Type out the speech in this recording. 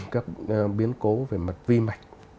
các biến cố về mặt vi mạch